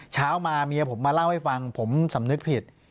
เช้ามาเมียผมมาเล่าให้ฟังผมสำนึกผิด